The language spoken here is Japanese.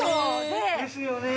ですよね。